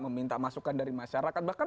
meminta masukan dari masyarakat bahkan